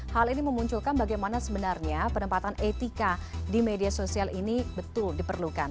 hal ini memunculkan bagaimana sebenarnya penempatan etika di media sosial ini betul diperlukan